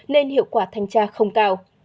nên hiệu quả thanh tra không cao